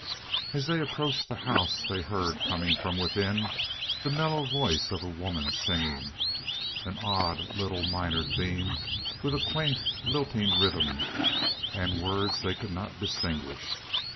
As they approached the house they heard, coming from within, the mellow voice of a woman singing an odd little minor theme, with a quaint, lilting rhythm, and words they could not distinguish.